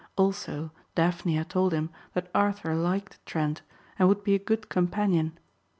Also Daphne had told him that Arthur liked Trent and would be a good companion.